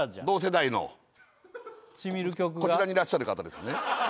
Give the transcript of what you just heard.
同世代のこちらにいらっしゃる方ですね